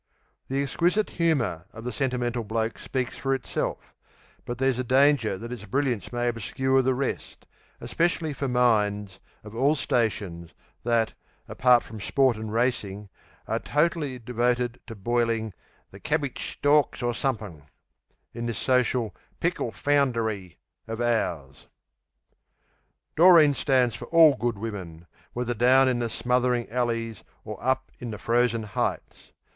The exquisite humour of The Sentimental Bloke speaks for itself; but there's a danger that its brilliance may obscure the rest, especially for minds, of all stations, that, apart from sport and racing, are totally devoted to boiling "The cabbitch storks or somethink" in this social "pickle found ery" of ours. Doreen stands for all good women, whether down in the smothering alleys or up in the frozen heights.